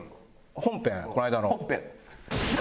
本編この間の。